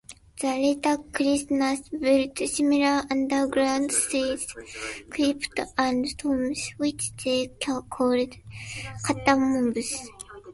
The later Christians built similar underground shrines, crypts and tombs, which they called catacombs.